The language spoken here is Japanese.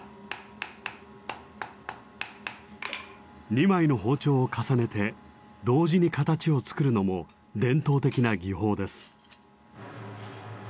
２枚の包丁を重ねて同時に形を作るのも伝統的な技法です。